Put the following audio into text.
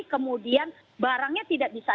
kemudian barangnya tidak bisa